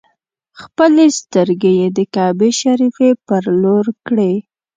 خپلې سترګې یې د کعبې شریفې پر لور کړې.